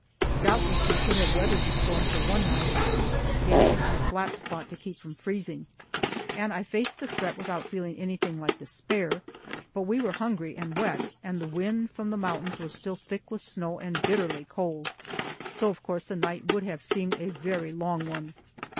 Doubtless we could have weathered the storm for one night, dancing on a flat spot to keep from freezing, and I faced the threat without feeling anything like despair; but we were hungry and wet, and the wind from the mountains was still thick with snow and bitterly cold, so of course that night would have seemed a very long one.